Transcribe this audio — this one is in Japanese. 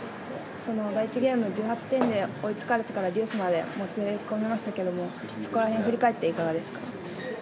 その第１ゲーム１８点で追いつかれてからジュースまでもつれ込みましたがそこら辺、振り返っていかがですか？